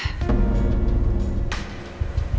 dan kalau bisa